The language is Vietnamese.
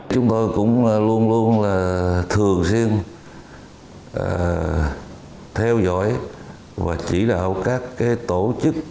chúng tôi cũng luôn luôn là thường xuyên theo dõi và chỉ đạo các tổ chức